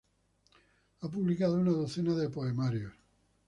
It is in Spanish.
Ha publicado una docena de poemarios.